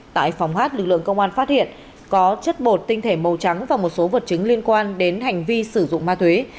tại phòng hát lực lượng công an phát hiện có chất bột tinh thể màu trắng và một số vật chứng liên quan đến hành vi sử dụng ma túy